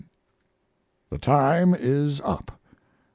The time is up!